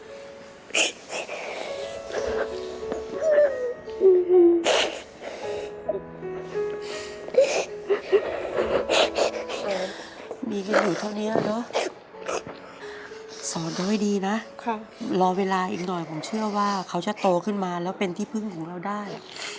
โอ้โหมีกันอยู่เท่านี้แล้วเนอะสอนเขาให้ดีนะรอเวลาอีกหน่อยผมเชื่อว่าเขาจะโตขึ้นมาแล้วเป็นที่พึ่งของเราได้